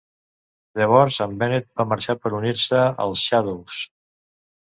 Llavors en Bennett va marxar per unir-se als "Shadows".